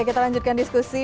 kita lanjutkan diskusi